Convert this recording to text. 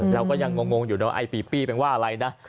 เราก็ยังงงอยู่นะไอ้ปีปี้เป็นว่าอะไรนะ